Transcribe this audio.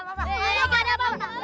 gak ada apa apa